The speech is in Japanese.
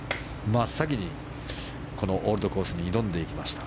真っ先にこのオールドコースに挑んでいきました。